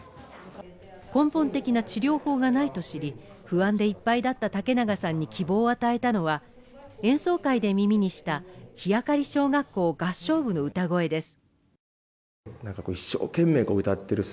根本的な治療法がないと知り、不安でいっぱいだった竹永さんに希望を与えたのは演奏会で耳にした日明小学校合唱部の歌声です。